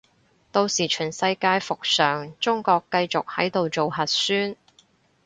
到時全世界復常，中國繼續喺度做核酸